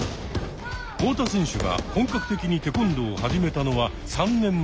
太田選手が本格的にテコンドーを始めたのは３年前。